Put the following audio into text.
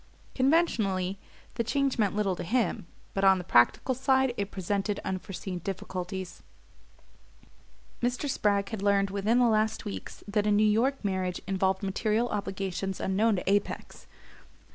Conventionally the change meant little to him; but on the practical side it presented unforeseen difficulties. Mr. Spragg had learned within the last weeks that a New York marriage involved material obligations unknown to Apex.